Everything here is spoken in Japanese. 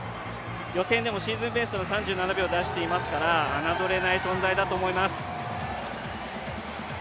予選でもシーズンベストの３７秒を出していますから侮れない存在だと思います。